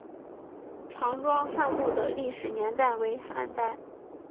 常庄汉墓的历史年代为汉代。